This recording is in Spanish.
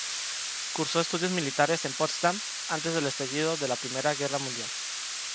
Cursó estudios militares en Potsdam antes del estallido de la Primera Guerra Mundial.